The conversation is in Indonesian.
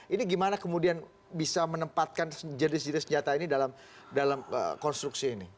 ini gimana kemudian bisa menempatkan jenis jenis senjata ini dalam konstruksi ini